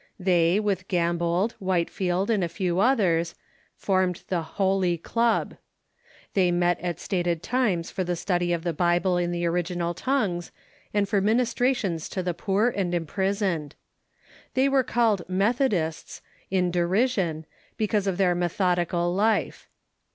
They, with Gambold, Whitefield, and a iew others, formed the The Wesleys . Holy Club. They met at stated times for the study of the Bible in the original tongues and for ministrations to the poor and imprisoned. They were called Methodists, in de rision, because of their methodical life.